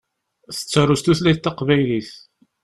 Tettaru s tutlayt taqbaylit.